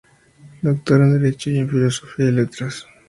Doctor en Derecho y en Filosofía y Letras.